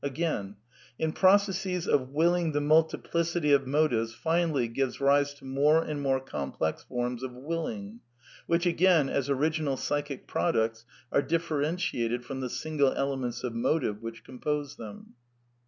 '' Again: ''In processes of willing the multiplicity of motives finally gives rise to more and more complex forms of willing, which again, as original psychic products, are differentiated from the single elements of motive which compose them."